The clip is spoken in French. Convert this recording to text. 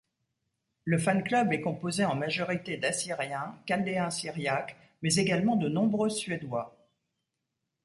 Le fanclub est composé en majorité d'Assyriens Chaldéens Syriaques, mais également de nombreux suédois.